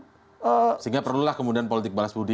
sehingga perlulah kemudian politik balas budi